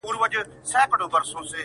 • اوس له ګوتو د مطرب ويني را اوري,